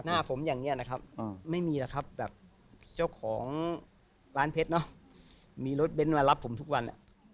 หน้าผมอย่างนี้นะครับไม่มีหรอกครับแบบเจ้าของร้านเพชรเนอะมีรถเบ้นมารับผมทุกวัน